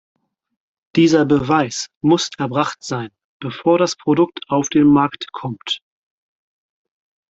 Dieser Beweis muss erbracht sein, bevor das Produkt auf den Markt kommt.